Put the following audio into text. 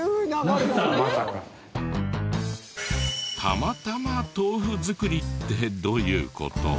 たまたま豆腐作りってどういう事？